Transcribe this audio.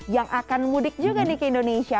yang akan mudik juga nih ke indonesia